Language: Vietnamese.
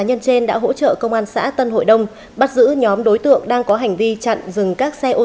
nhân trên đã hỗ trợ công an xã tân hội đông bắt giữ nhóm đối tượng đang có hành vi chặn dừng các xe ô